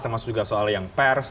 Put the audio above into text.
termasuk juga soal yang pers